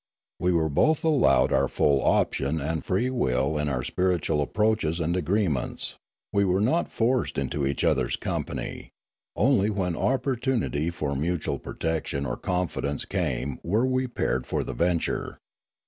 We were both allowed our full option and free will in our 58 Limanora spiritual approaches and agreements: we were not forced into each other's company, only when oppor tunity for mutual protection or confidence came were we paired for the venture.